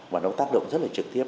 và nó tác động rất là trực tiếp